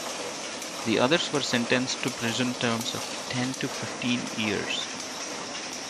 The others were sentenced to prison terms of ten to fifteen years.